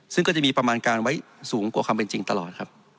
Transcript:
ซึ่งก็จะมีประมาณการไว้สูงกว่าความเป็นจริงตลอดครับ